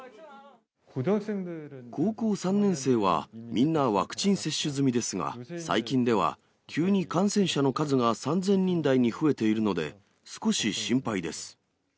高校３年生は、みんなワクチン接種済みですが、最近では、急に感染者の数が３０００人台に増えているので、少し心配です。